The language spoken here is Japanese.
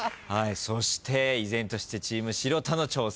そして依然としてチーム城田の挑戦になります。